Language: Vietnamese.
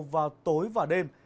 vào tối và đêm